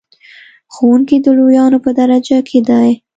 ښوونکی د لویانو په درجه کې دی.